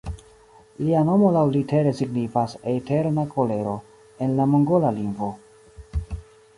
Lia nomo laŭlitere signifas "Eterna Kolero" en la mongola lingvo.